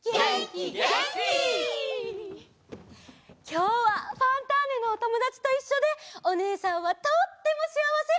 きょうは「ファンターネ！」のおともだちといっしょでおねえさんはとってもしあわせ！